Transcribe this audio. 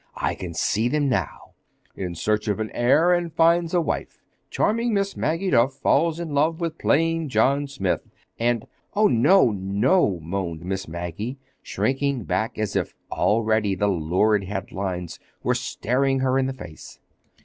I can see them now: 'In Search of an Heir and Finds a Wife.'—'Charming Miss Maggie Duff Falls in Love with Plain John Smith,' and—" "Oh, no, no," moaned Miss Maggie, shrinking back as if already the lurid headlines were staring her in the face.